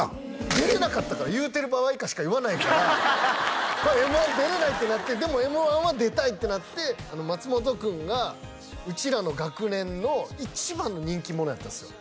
出れなかったから「言うてる場合か」しか言わないからこれは「Ｍ−１」出れないってなってでも「Ｍ−１」は出たいってなって松本君がうちらの学年の一番の人気者やったんすよ